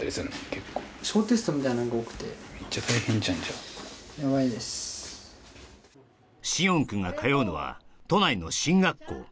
結構めっちゃ大変じゃんじゃあ詩音くんが通うのは都内の進学校